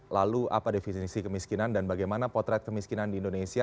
lalu apa definisi kemiskinan dan bagaimana potret kemiskinan di indonesia